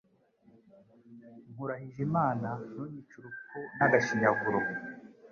Nkurahije Imana, ntunyice urupfu n'agashinyaguro.»